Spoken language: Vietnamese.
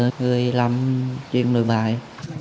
rồi làm chuyện đôi vai